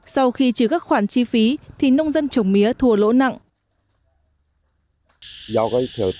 sau khi trừ các khoản chi phí thì nông dân trồng mía thua lỗ nặng